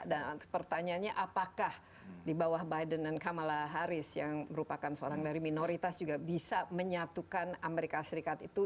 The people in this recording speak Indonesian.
pertanyaannya apakah di bawah biden dan kamala harris yang merupakan seorang dari minoritas juga bisa menyatukan amerika serikat itu